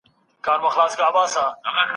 ادم ع ته د ژوند کولو نوي لاري وښودل سوي.